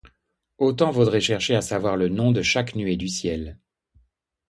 Autant vaudrait chercher à savoir le nom de chaque nuée du ciel.